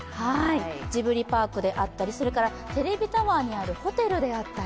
ジブリパークであったり、テレビタワーにあるホテルだったり。